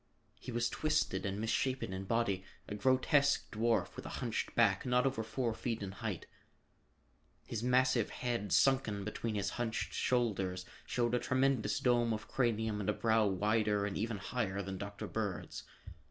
He was twisted and misshapen in body, a grotesque dwarf with a hunched back, not over four feet in height. His massive head, sunken between his hunched shoulders, showed a tremendous dome of cranium and a brow wider and even higher than Dr. Bird's.